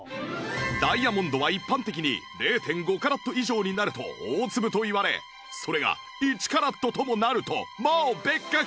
ダイヤモンドは一般的に ０．５ カラット以上になると大粒といわれそれが１カラットともなるともう別格